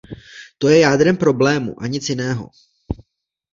To je jádrem problému a nic jiného.